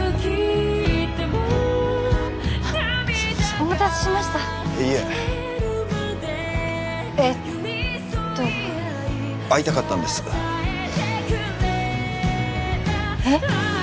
お待たせしましたいええっと会いたかったんですえっ？